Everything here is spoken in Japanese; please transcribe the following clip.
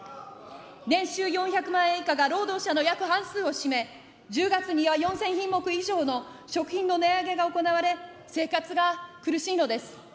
年収４００万円以下が労働者の約半数を占め、１０月には４０００品目以上の食品の値上げが行われ、生活が苦しいのです。